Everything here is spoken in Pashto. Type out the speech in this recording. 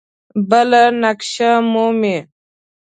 بل نقش مومي.